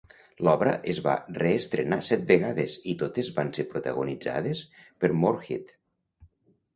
L'obra es va reestrenar set vegades, i totes van ser protagonitzades per Moorehead.